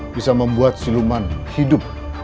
bisa membuat siluman hidup